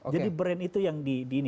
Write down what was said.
jadi brand itu yang di ini